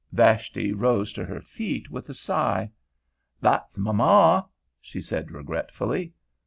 Vashti rose to her feet with a sigh. "That's my ma," she said regretfully.